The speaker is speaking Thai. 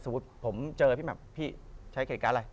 สมมุติผมเจอพี่แบบพี่ใช้เครติการอะไร